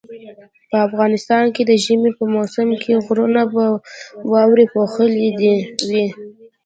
په افغانستان کې د ژمي په موسم کې غرونه په واوري پوښلي وي